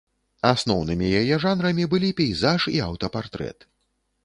Асноўнымі яе жанрамі былі пейзаж і аўтапартрэт.